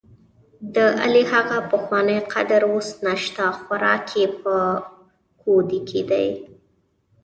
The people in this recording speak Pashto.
دعلي هغه پخوانی قدر اوس نشته، خوراک یې په کودي کې دی.